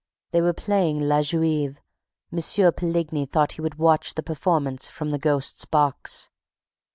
"They were playing La Juive. M. Poligny thought he would watch the performance from the ghost's box...